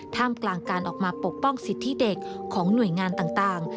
ท่ามกลางการออกมาปกป้องสิทธิเด็กของหน่วยงานต่าง